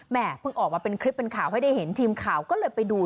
เพิ่งออกมาเป็นคลิปเป็นข่าวให้ได้เห็นทีมข่าวก็เลยไปดู